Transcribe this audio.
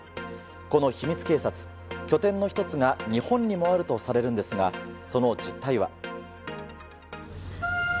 この秘密警察、拠点の１つが日本にもあるとされるんですがその実態は。